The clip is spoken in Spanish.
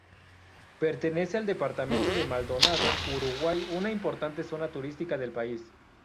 Pertenece al departamento de Maldonado, Uruguay, una importante zona turística del país.